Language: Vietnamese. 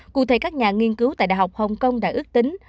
cụ thể các nhà nghiên cứu tại đại học hồng kông đã ước tính